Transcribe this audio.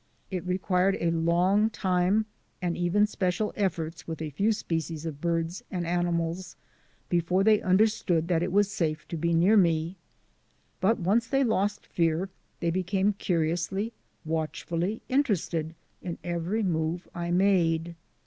It required a long time and even special efforts with a few species of birds and animals before they understood that it was safe to be near me. But once they lost fear they became curiously, watchfully interested in every move I made.